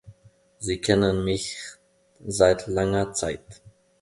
Sie kennen mich seit langer Zeit.